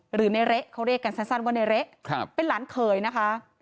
หรือในเละเขาเรียกกันสั้นว่าในเละเป็นหลานเขยนะคะ